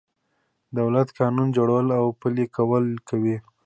دولت قانون جوړول او پلي کول کوي.